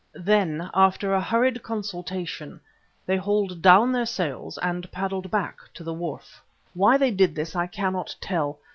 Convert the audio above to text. Then, after a hurried consultation, they hauled down their sails and paddled back to the wharf. Why they did this I cannot tell.